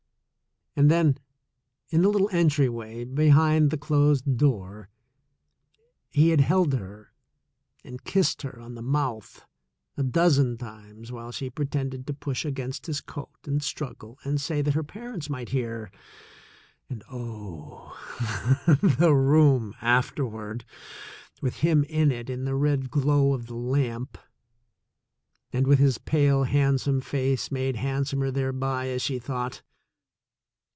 And then, in the little entryway, behind the closed door, he had held her and kissed her on the mouth a dozen times while she pre tended to push against his coat and struggle and say that her parents might hear. And, oh, the room afterward, with him in it in the red glow of the lamp, and with his pale handsome face made handsomer thereby, as she thought!